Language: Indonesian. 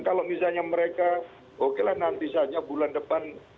kalau misalnya mereka oke lah nanti saja bulan depan